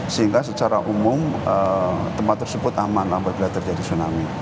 sehingga secara umum tempat tersebut aman apabila terjadi tsunami